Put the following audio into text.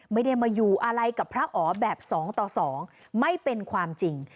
ไม่ได้มาอยู่อะไรกับพระอ๋อแบบ๒ต่อ๒ไม่เป็นความจริง